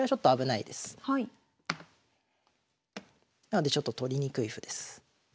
なのでちょっと取りにくい歩です。